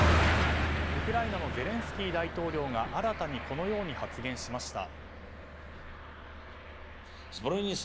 ウクライナのゼレンスキー大統領が新たにこのように発言しました。